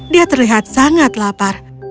dia terlihat sangat lapar